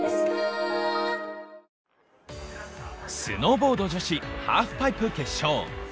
スノーボード女子ハーフパイプ決勝。